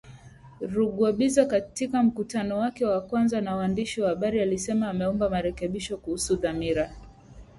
Rugwabiza katika mkutano wake wa kwanza na waandishi wa habari alisema ameomba marekebisho kuhusu dhamira ya kikosi cha walinda amani